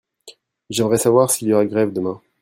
J'aimerais savoir s'il y aura grève demain.